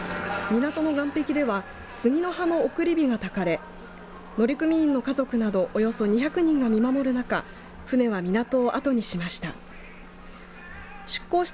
港の岸壁では杉の葉の送り火がたかれ乗組員の家族などおよそ２００人が見守る中船は港をあとにしました。